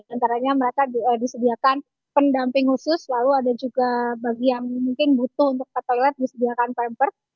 antaranya mereka disediakan pendamping khusus lalu ada juga bagi yang mungkin butuh untuk ke toilet disediakan pamper